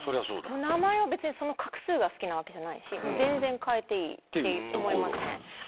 名前は別に画数が好きなわけじゃないし全然変えていいと思います。